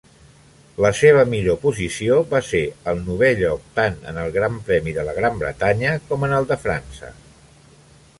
La seva millor posició va ser el novè lloc tant en el Gran Premi de la Gran Bretanya com en el de França.